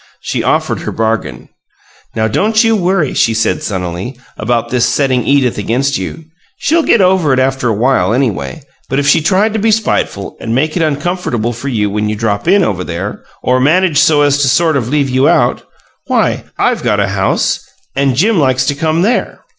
She offered her bargain. "Now don't you worry," she said, sunnily, "about this setting Edith against you. She'll get over it after a while, anyway, but if she tried to be spiteful and make it uncomfortable for you when you drop in over there, or managed so as to sort of leave you out, why, I've got a house, and Jim likes to come there.